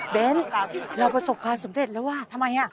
เบนเราประสบความสำเร็จแล้วว่าทำไมครับ